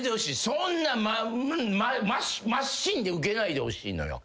そんなまっしんで受けないでほしいのよ。